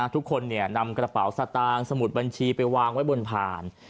ทุกคนนำกระเป๋าสตางค์สมุดบัญชีไปวางไว้บนผ่าน